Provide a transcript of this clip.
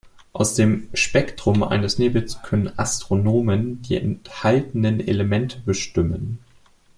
Aus dem Spektrum eines Nebels können Astronomen die enthaltenen Elemente bestimmen.